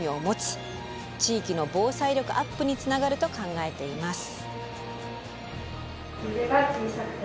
地域の防災力アップにつながると考えています。